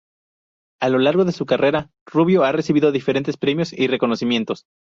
A lo largo de su carrera, Rubio ha recibido diferentes premios y reconocimientos.